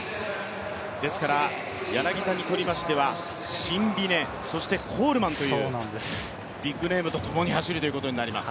ですから柳田にとりましては、シンビネ、そしてコールマンというビッグネームとともに走るということになります。